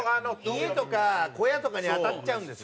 家とか小屋とかに当たっちゃうんですよ。